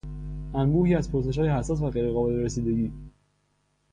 انبوهی از پرسشهای حساس و غیرقابل رسیدگی